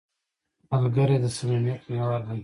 ملګری د صمیمیت محور دی